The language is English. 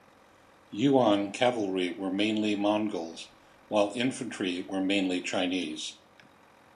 Yuan Cavalry were mainly Mongols while infantry were mainly Chinese.